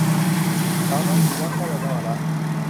สาวน้อยหนีรัก - วลัย นวาระ